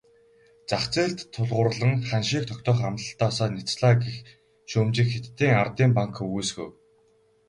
Зах зээлд тулгуурлан ханшийг тогтоох амлалтаасаа няцлаа гэх шүүмжийг Хятадын ардын банк үгүйсгэв.